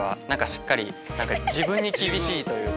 しっかり自分に厳しいというか。